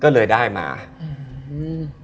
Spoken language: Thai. ก็เลยได้มาอืม